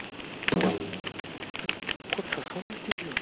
これ誘われてるよね。